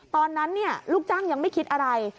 ตอนนั้นลูกจ้างยังไม่คิดอะไร